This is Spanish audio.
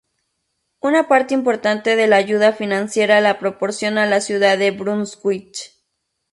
Una parte importante de la ayuda financiera la proporciona la ciudad de Brunswick.